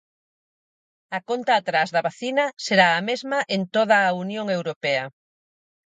A conta atrás da vacina será a mesma en toda a Unión Europea.